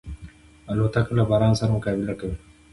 الوتکه له باران سره مقابله کوي.